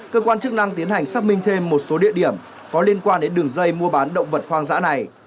cơ quan chức năng tiến hành xác minh thêm một số địa điểm có liên quan đến đường dây mua bán động vật hoang dã này